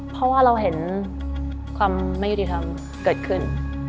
เพราะว่าเราเห็นความไม่ยุติธรรมเกิดขึ้น